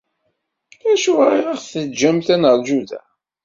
Acuɣer i aɣ-teǧǧamt ad neṛju da?